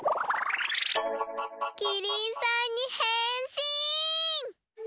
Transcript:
きりんさんにへんしん！